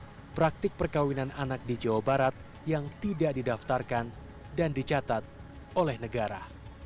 ada praktik perkawinan anak di jawa barat yang tidak didaftarkan dan dicatat oleh negara